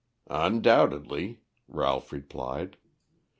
"Undoubtedly," Ralph replied.